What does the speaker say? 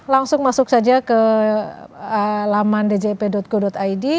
langsung masuk saja ke laman djp go id